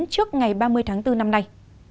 trước ngày ba mươi tháng bốn năm nay